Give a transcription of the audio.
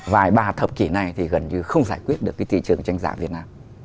vài ba thập kỷ này thì gần như không giải quyết được cái thị trường tranh giả việt nam